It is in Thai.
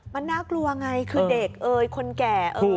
มันน่ากลัวไงคือเด็กคนแก่